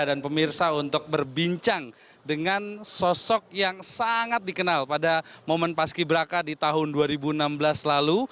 dan pemirsa untuk berbincang dengan sosok yang sangat dikenal pada momen paski braka di tahun dua ribu enam belas lalu